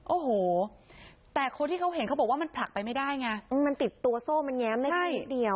โอ้โหแต่คนที่เขาเห็นเขาบอกว่ามันผลักไปไม่ได้ไงมันติดตัวโซ่มันแง้มได้แค่นิดเดียว